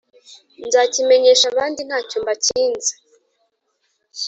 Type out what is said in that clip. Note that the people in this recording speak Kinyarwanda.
nzakimenyesha abandi nta cyo mbakinze,